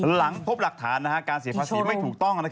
หลังพบหลักฐานการเสียภาษีไม่ถูกต้อง